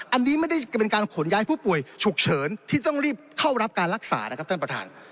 อันนี้ไม่ได้เป็นการขนย้ายผู้ป่วยฉุกเฉินที่ต้องรีบเข้ารับการรักษานะครับท่านประธาน